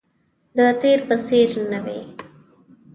د تیر په څیر نه وي